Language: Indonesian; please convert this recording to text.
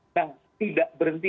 nah tidak berhenti